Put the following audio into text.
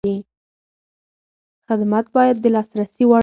خدمت باید د لاسرسي وړ وي.